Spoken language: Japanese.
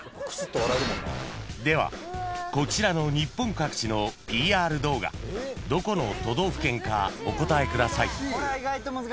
［ではこちらの日本各地のＰＲ動画］［どこの都道府県かお答えください］